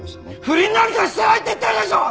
不倫なんかしてないって言ってるでしょ！